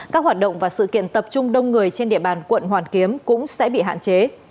các hoạt động và sự kiện tập trung đông người trên địa bàn quận hoàn kiếm cũng sẽ bị hạn chế